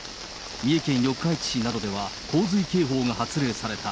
三重県四日市市などでは、洪水警報が発令された。